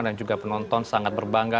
dan juga penonton sangat berbangga